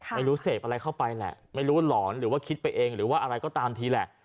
เสพอะไรเข้าไปแหละไม่รู้หลอนหรือว่าคิดไปเองหรือว่าอะไรก็ตามทีแหละ